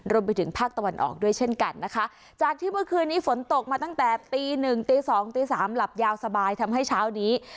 รวมไปถึงภาคตะวันออกด้วยเช่นกันนะคะจากที่เมื่อคืนนี้ฝนตกมาตั้งแต่ตีหนึ่งตีสองตีสามหลับยาวสบายทำให้เช้านี้